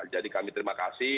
jadi kami terima kasih